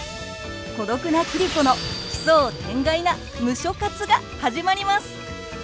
孤独な桐子の奇想天外な「ムショ活」が始まります！